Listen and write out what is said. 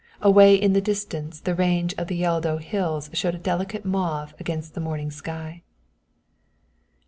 Away in the distance the range of the Yeldo hills showed a delicate mauve against the morning sky.